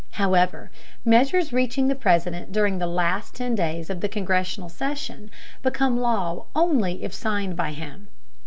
However, measures reaching the President during the last ten days of the congressional session become law only if signed by him.